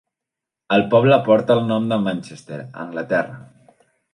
El poble porta el nom de Manchester, Anglaterra.